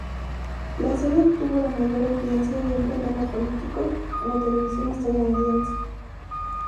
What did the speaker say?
La serie obtuvo la mayor audiencia de un programa político en la televisión estadounidense.